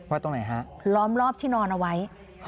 ตรงไหนฮะล้อมรอบที่นอนเอาไว้